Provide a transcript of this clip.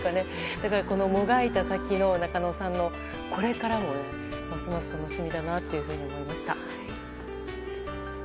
だから、もがいた先の仲野さんのこれからがますます楽しみだなと思いました。